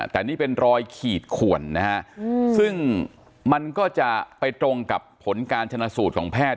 แต่นี่เป็นรอยขีดขวนนะฮะซึ่งมันก็จะไปตรงกับผลการชนะสูตรของแพทย์